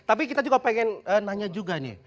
tapi kita juga pengen nanya juga nih